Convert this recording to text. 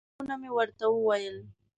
ځوابونه مې ورته وویل.